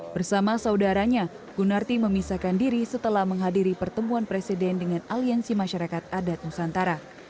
bersama saudaranya gunarti memisahkan diri setelah menghadiri pertemuan presiden dengan aliansi masyarakat adat nusantara